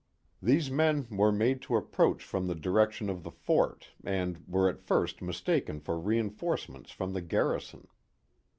These men were made to ap proach from the direction of the fort and were at first mis taken for reinforcements from the garrison.